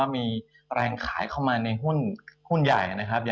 มีแรงขายเข้ามาในหุ้นใหญ่นะครับ